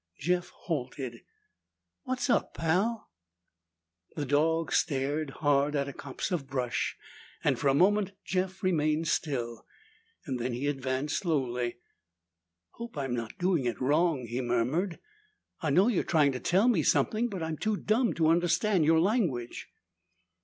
Jeff halted. "What's up, Pal?" The dog stared hard at a copse of brush and for a moment Jeff remained still. Then he advanced slowly. "Hope I'm not doing it wrong," he murmured. "I know you're trying to tell me something, but I'm too dumb to understand your language."